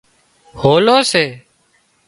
هولو سي